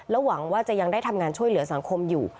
หวังว่าจะยังได้ทำงานช่วยเหลือสังคมอยู่